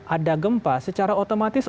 ada gempa secara otomatis